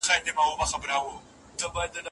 ډيپلوماسي د جګړې پر ځای د تفاهم لاره ده .